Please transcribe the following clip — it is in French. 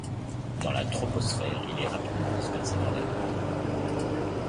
Dans la troposphère, il est rapidement dispersé dans l'air.